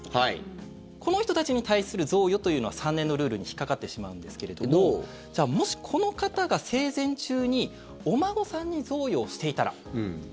この人たちに対する贈与というのは３年のルールに引っかかってしまうんですけれどもし、この方が生前中にお孫さんに贈与をしていたら。